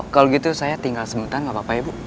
kalau gitu saya tinggal sebentar gak apa apa ibu